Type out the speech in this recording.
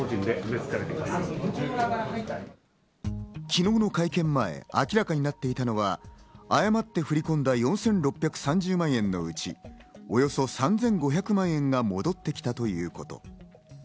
昨日の会見前、明らかになっていたのは、誤って振り込んだ４６３０万円のうち、およそ３５００万円が戻ってきたということ。